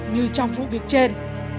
như trong vụ việc trên